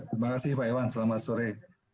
terima kasih pak iwan selamat sore